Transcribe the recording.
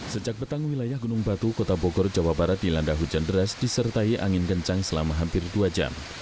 sejak petang wilayah gunung batu kota bogor jawa barat dilanda hujan deras disertai angin kencang selama hampir dua jam